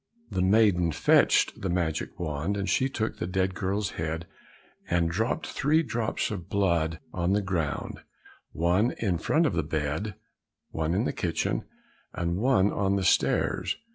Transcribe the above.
The maiden fetched the magic wand, and she took the dead girl's head and dropped three drops of blood on the ground, one in front of the bed, one in the kitchen, and one on the stairs.